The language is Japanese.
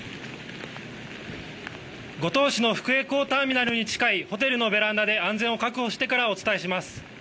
五島市の福栄港ターミナルに近いホテルのベランダで安全を確保してからお伝えします。